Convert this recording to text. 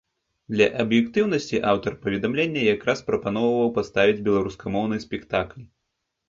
Для аб'ектыўнасці, аўтар паведамлення якраз прапаноўваў паставіць беларускамоўны спектакль.